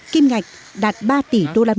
kim ngạch đạt hai mươi năm tỉ đô la mỹ